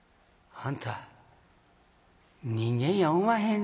あんた人間やおまへんな」。